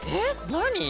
何？